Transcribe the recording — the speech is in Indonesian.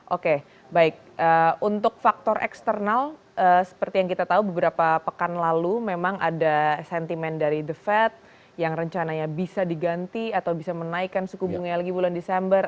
oke baik untuk faktor eksternal seperti yang kita tahu beberapa pekan lalu memang ada sentimen dari the fed yang rencananya bisa diganti atau bisa menaikkan suku bunganya lagi bulan desember